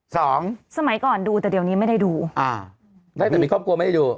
สมัยก่อนดูแต่เดี๋ยวนี้ไม่ได้ดูอ่าได้แต่มีครอบครัวไม่ได้ดู